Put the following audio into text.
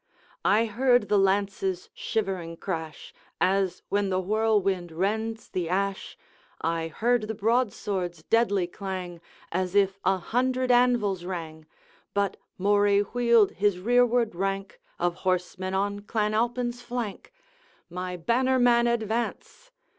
I heard the lance's shivering crash, As when the whirlwind rends the ash; I heard the broadsword's deadly clang, As if a hundred anvils rang! But Moray wheeled his rearward rank Of horsemen on Clan Alpine's flank, "My banner man, advance!